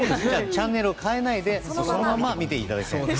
チャンネルを変えないでそのまま見ていただきたいなと。